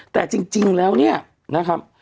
แต่จริงแล้วเนี่ยนะครับ